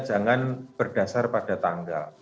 jangan berdasar pada tanggal